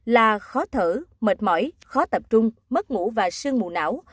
là khó thở mệt mỏi khó tập trung mất ngủ và sương mù não